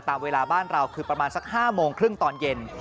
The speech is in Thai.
ตามเวลาบ้านเราคือประมาณสัก๕โมงครึ่งตอนเย็น